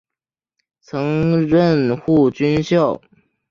曾任护军校。